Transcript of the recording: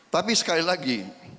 tapi sekali lagi